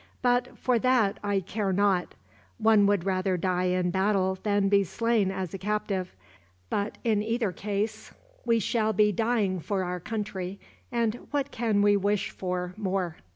But for that I care not. One would rather die in battle than be slain as a captive; but in either case we shall be dying for our country, and what can we wish for more?